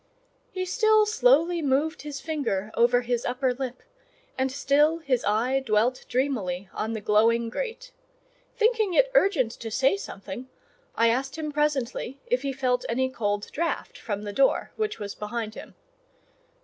He still slowly moved his finger over his upper lip, and still his eye dwelt dreamily on the glowing grate; thinking it urgent to say something, I asked him presently if he felt any cold draught from the door, which was behind him.